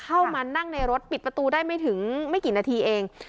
เข้ามานั่งในรถปิดประตูได้ไม่ถึงไม่กี่นาทีเอง